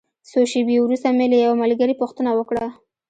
څو شېبې وروسته مې له یوه ملګري پوښتنه وکړه.